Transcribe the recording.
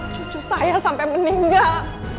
cucu saya sampai meninggal